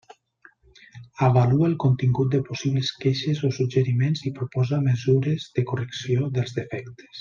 Avalua el contingut de possibles queixes o suggeriments i proposa mesures de correcció dels defectes.